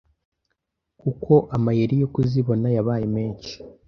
kuko amayeri yo kuzibona yabaye menshi